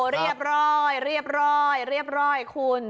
เรียบร้อยเรียบร้อยเรียบร้อยคุณ